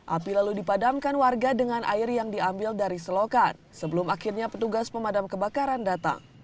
api lalu dipadamkan warga dengan air yang diambil dari selokan sebelum akhirnya petugas pemadam kebakaran datang